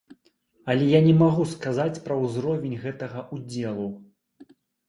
Але я не магу сказаць пра ўзровень гэтага ўдзелу.